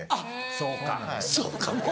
そうかもう。